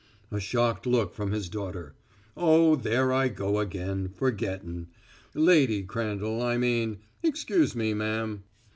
A shocked look from his daughter. "Oh, there I go again, forgettin'. Lady Crandall, I mean. Excuse me, ma'am."